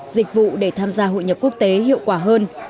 dịch vụ để tham gia hội nhập quốc tế hiệu quả hơn